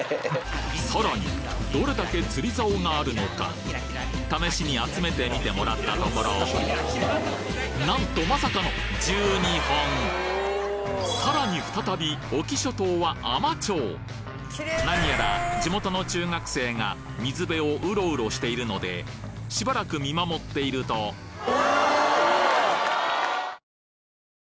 さらにどれだけ釣竿があるのか試しに集めてみてもらったところなんとまさかのさらに再び隠岐諸島は海士町なにやら地元の中学生が水辺をうろうろしているのでしばらく見守っているとえ！